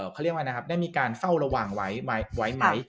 เขาเรียกว่านะครับได้มีการเฝ้าระวังไว้ไหม